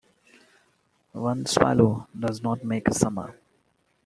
One swallow does not make a summer.